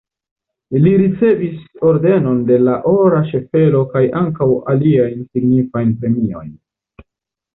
Li ricevis Ordenon de la Ora Ŝaffelo kaj ankaŭ aliajn signifajn premiojn.